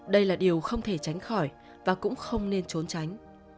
đây là điều không thể tránh khỏi và cũng không nên trốn tránh